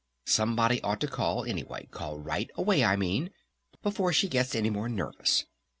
Somebody ought to call anyway! Call right away, I mean, before she gets any more nervous!